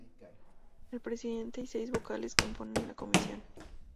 El presidente y seis vocales componen la Comisión.